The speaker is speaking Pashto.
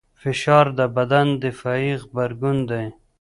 فشار د بدن دفاعي غبرګون دی.